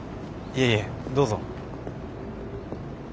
いえいえどうぞ。